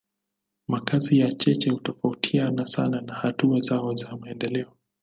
Makazi ya cheche hutofautiana sana na hatua zao za maendeleo.